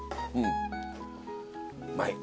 うまい。